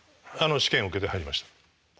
試験受けて入りました。